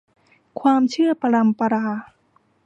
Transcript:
ความเชื่อปรัมปรา